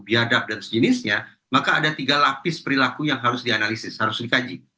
biadab dan sejenisnya maka ada tiga lapis perilaku yang harus dianalisis harus dikaji